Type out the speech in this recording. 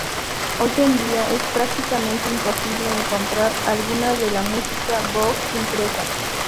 Hoy en día es prácticamente imposible encontrar alguna de la música Vogt impresa.